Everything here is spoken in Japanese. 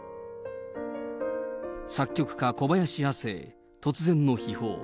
作曲家、小林亜星、突然の悲報。